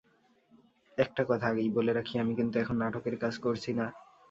একটা কথা আগেই বলে রাখি, আমি কিন্তু এখন নাটকের কাজ করছি না।